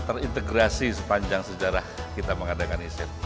dan terintegrasi sepanjang sejarah kita mengadakan isef